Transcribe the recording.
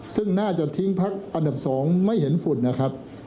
ซึ่งน่าจะทิ้งพักอันดับ๒ไม่เห็นฝุ่นนะครับ